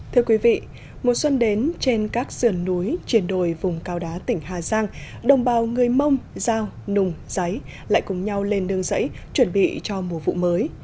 thưa quý vị mùa xuân đến trên các sườn núi triển đồi vùng cao đá tỉnh hà giang đồng bào người mông giao nùng giấy lại cùng nhau lên nương giấy chuẩn bị cho mùa vụ mới